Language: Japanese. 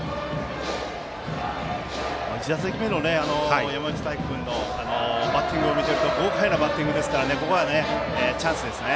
１打席目の山内太暉君のバッティングを見ていると豪快なバッティングですからここはチャンスですね。